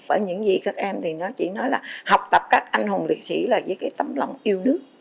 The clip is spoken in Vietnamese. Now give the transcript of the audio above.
ở những gì các em thì nó chỉ nói là học tập các anh hùng liệt sĩ là với cái tấm lòng yêu nước